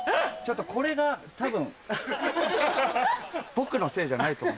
これが多分僕のせいじゃないと思う。